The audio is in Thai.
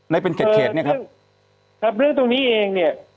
ได้เป็นเขตเขตเนี่ยครับครับเรื่องตรงนี้เองเนี่ย